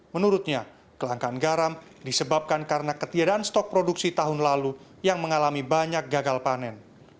menurutnya kelangkaan garam disebabkan karena ketiadaan stok produksi tahun lalu yang mengalami banyak gagal panen